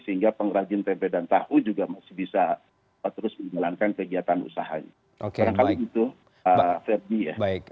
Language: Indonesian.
sehingga pengrajin tempe dan tahu juga masih bisa terus menjalankan kegiatan usahanya